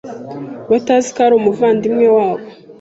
batazi ko ari umuvandimwe wabo